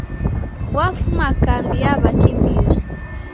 Wafuma kambi ya w'akimbiri.